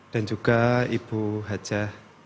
dan juga ibu hajah